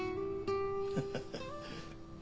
ハハハ。